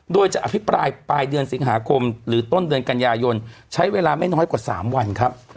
โดยจะอภิปรายปลายเดือนสิงหาคมหรือต้นเดือนกันยายนใช้เวลาไม่น้อยกว่า๓วันครับ